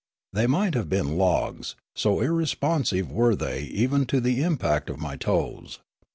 They might have been logs, so irresponsive were they even to the impact of ni} toes.